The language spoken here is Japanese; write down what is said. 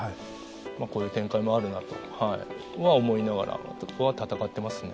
こういう展開もあるなとは思いながらそこは戦ってますね。